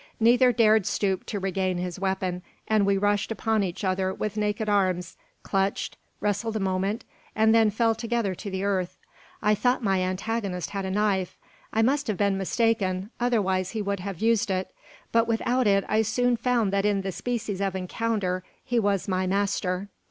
Neither dared stoop to regain his weapon; and we rushed upon each other with naked arms, clutched, wrestled a moment, and then fell together to the earth. I thought my antagonist had a knife. I must have been mistaken, otherwise he would have used it; but without it, I soon found that in this species of encounter he was my master.